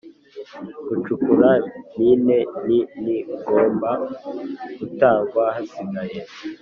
Gucukura mine nini igomba gutangwa hasigaye